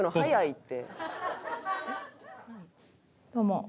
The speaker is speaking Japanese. どうも。